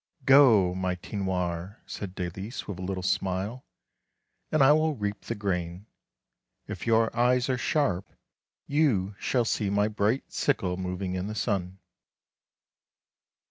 " Go, my Tinoir," said Dalice, with a little smile, " and I will reap the grain. If your eyes are sharp you shall see my bright sickle moving in the sun."